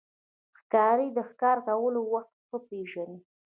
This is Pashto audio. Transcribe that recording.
ښکاري د ښکار کولو وخت ښه پېژني.